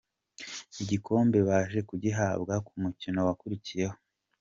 Igikombe baje kugihabwa ku mukino wakurikiyeho .